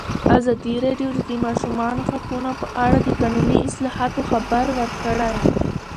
ازادي راډیو د د ماشومانو حقونه په اړه د قانوني اصلاحاتو خبر ورکړی.